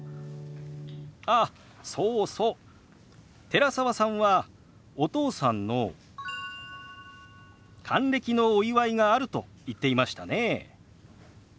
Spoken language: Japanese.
寺澤さんはお父さんの還暦のお祝いがあると言っていましたね。